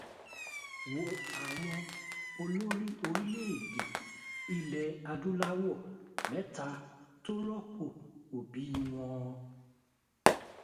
Wo àwọn olórí orílè-èdè ilẹ̀ adúláwọ̀ mẹ́tà tó rọ́pò òbí wọn